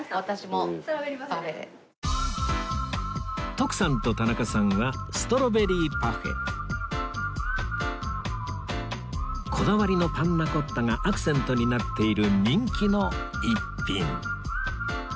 徳さんと田中さんはこだわりのパンナコッタがアクセントになっている人気の逸品